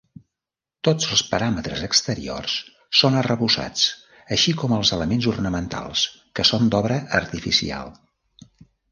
Tots els paràmetres exteriors són arrebossats, així com els elements ornamentals que són d'obra artificial.